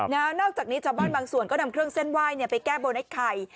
นอกจากนี้ชาวบ้านบางส่วนก็นำเครื่องเส้นไหว้ไปแก้บนไอ้ไข่